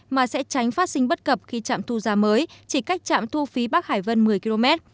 mà sẽ tránh phát sinh bất cập khi trạm thu giá mới chỉ cách trạm thu phí bắc hải vân một mươi km